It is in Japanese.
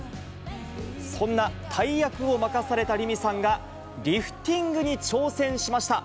そんな大役を任された凛美さんが、リフティングに挑戦しました。